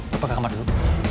lepas ke kamar dulu